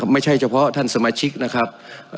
ไม่ใช่เฉพาะท่านสมาชิกนะครับ